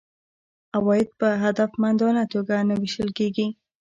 عواید په هدفمندانه توګه نه وېشل کیږي.